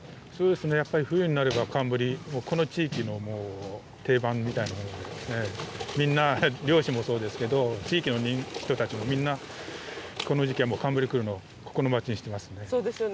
やっぱり冬になれば寒ブリ、この地域の定番みたいなもので、みんな漁師もそうですけど、地域の人たちもみんな、この時期はもう、寒ブリ来るのを心待ちにしてますね。